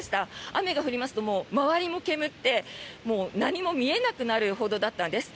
雨が降りますと周りも煙って何も見えなくなるほどだったんです。